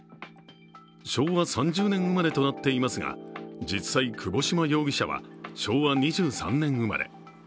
昭和３０年生まれとなっていますが、実際、窪島容疑者は昭和２３年生まれ。